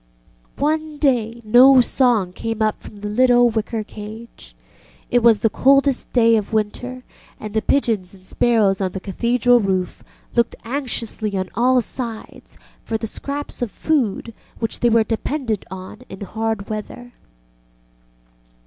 One day no song came up from the little wicker cage. It was the coldest day of the winter, and the pigeons and sparrows on the Cathedral roof looked anxiously on all sides for the scraps of food which they were dependent on in hard weather.